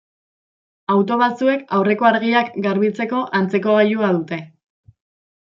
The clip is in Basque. Auto batzuek aurreko argiak garbitzeko antzeko gailua dute.